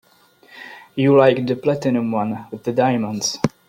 You liked the platinum one with the diamonds.